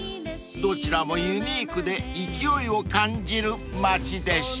［どちらもユニークで勢いを感じる街でした］